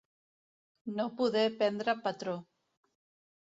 No poder prendre patró.